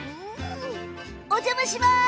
お邪魔します！